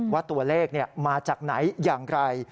ว่าตัวเลขมาจากไหนอย่างไร